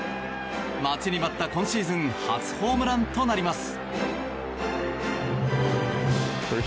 待ちに待った今シーズン初ホームランとなります。